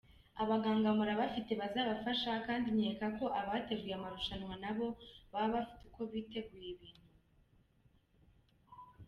Abaganga murabafite bazabafasha kandi nkeka ko abateguye amarushanwa nabo baba bafite uko bateguye ibintu”.